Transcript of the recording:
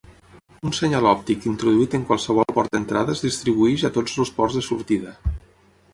Un senyal òptic introduït en qualsevol port d'entrada es distribueix a tots els ports de sortida.